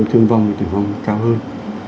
thương vong tử vong cao hơn